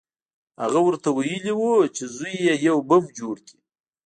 هغه ورته ویلي وو چې زوی یې یو بم جوړ کړی